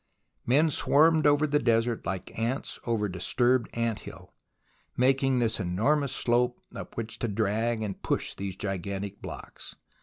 Men swarmed over the desert hke ants over a disturbed ant hill, making this enormous slope up which to drag and push these gigantic blocks.